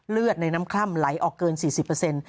เลือดในน้ำคล่ำไหลออกเกิน๔๐